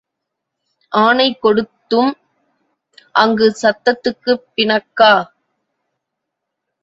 ஆனை கொடுத்தும் அங்குசத்துக்குப் பிணக்கா?